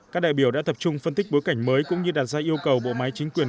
các đại biểu đã tập trung phân tích bối cảnh mới cũng như đặt ra yêu cầu bộ máy chính quyền